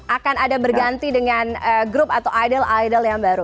akan ada berganti dengan grup atau idol idol yang baru